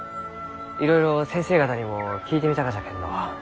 いろいろ先生方にも聞いてみたがじゃけんど